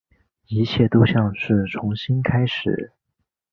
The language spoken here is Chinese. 一切都像是重新开始